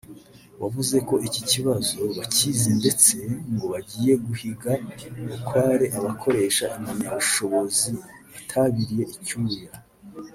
wavuze ko iki kibazo bakizi ndetse ngo bagiye guhiga bukware abakoresha impamyabushobozi batabiriye icyuya